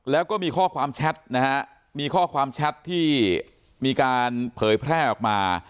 แล้วก็มีข้อความแชทนะฮะมีข้อความแชทที่มีการเผยแพร่ออกมา